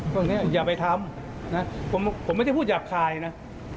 คนนี้อย่าไปทำผมไม่ได้พูดอยากข่ายนะ